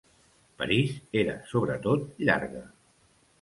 "París" era sobretot llarga.